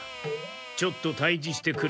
ちょっと退治してくるか。